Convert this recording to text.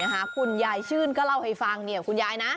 ฮุยายชื่นก็เล่าให้ฟังนี่ขุนยายนะ